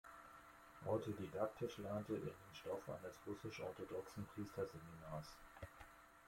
Autodidaktisch lernte er den Stoff eines russisch-orthodoxen Priesterseminars.